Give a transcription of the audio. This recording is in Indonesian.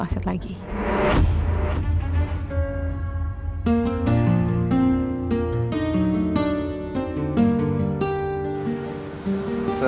bagus kalau gitu